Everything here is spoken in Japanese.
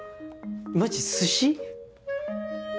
マジ寿司？